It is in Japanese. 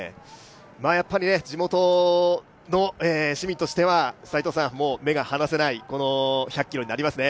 地元の市民としては、目が離せない１００ｋｍになりますね。